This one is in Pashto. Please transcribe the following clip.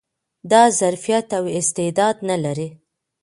دا ظرفيت او استعداد نه لري